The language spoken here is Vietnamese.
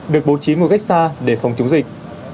được bố trí một cách xa để phòng chống dịch